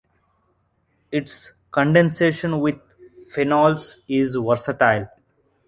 Its condensation with phenols is versatile.